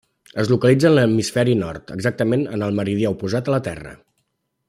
Es localitza en l'hemisferi nord, exactament en el meridià oposat a la Terra.